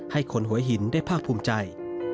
ให้คนหัวหินได้ภาคภูมิใจ